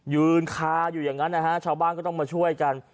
ยืนคาอยู่อย่างนั้นนะฮะชาวบ้านก็ต้องมาช่วยกัน